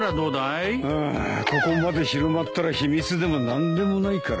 ああここまで広まったら秘密でも何でもないからな。